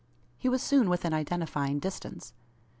He was soon within identifying distance.